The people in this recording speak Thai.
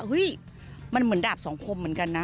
เฮ้ยมันเหมือนดาบสองคมเหมือนกันนะ